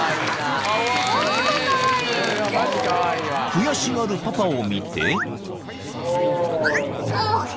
［悔しがるパパを見て］